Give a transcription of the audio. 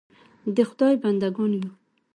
د خدای بنده ګان یو .